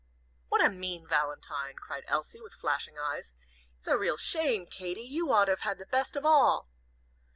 "What a mean valentine!" cried Elsie, with flashing eyes. "It's a real shame, Katy! You ought to have had the best of all."